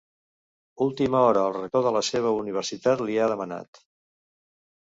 Última hora el rector de la seva universitat li ha demanat.